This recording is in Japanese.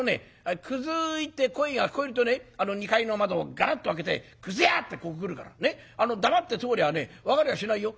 くずいって声が聞こえるとあの二階の窓をガラッと開けてくず屋！ってこう来るからね黙って通りゃあ分かりゃしないよ」。